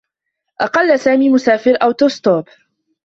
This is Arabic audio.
أقلّ سامي مسافر أوتوستوب.